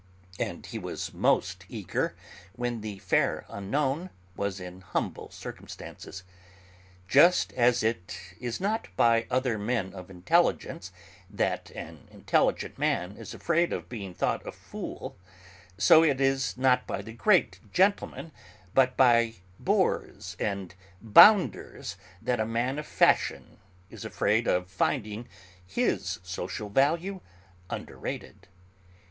And he was most eager when the fair unknown was in humble circumstances. Just as it is not by other men of intelligence that an intelligent man is afraid of being thought a fool, so it is not by the great gentleman but by boors and 'bounders' that a man of fashion is afraid of finding his social value underrated.